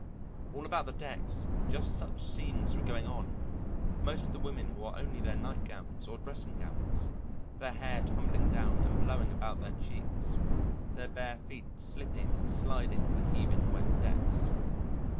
All about the decks just such scenes were going on; most of the women wore only their night gowns or dressing gowns, their hair tumbling down and blowing about their cheeks, their bare feet slipping and sliding on the heaving wet decks.